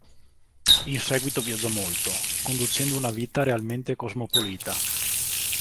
In seguito viaggiò molto, conducendo una vita realmente cosmopolita.